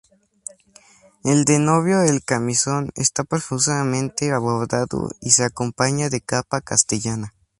El de novio el camisón esta profusamente bordado y se acompaña de capa castellana.